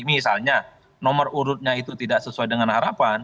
misalnya nomor urutnya itu tidak sesuai dengan harapan